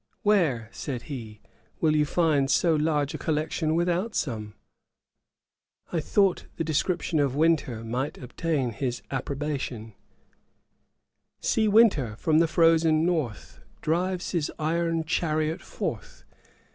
'Where (said he,) will you find so large a collection without some?' I thought the description of Winter might obtain his approbation: 'See Winter, from the frozen north Drives his iron chariot forth!